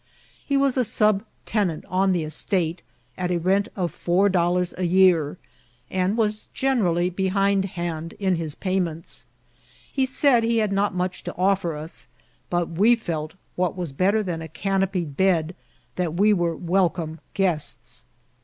He was a sub tenant on the estate, at a rent of four dollars a year, and was generally behindhand in his payments : he said he had not much to offer us ; but we feltj what A'S OPBRATION IIT PROSPECT. lit W9B better than a eanopied bed^ that we were weleome guests.